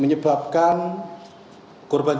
menyebabkan tsunami secara tiba tiba